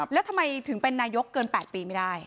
แล้วทำไมถึงเป็นนายกเกิน๘ปีไม่ได้